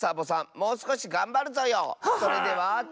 もうすこしがんばるぞよ。ははっ！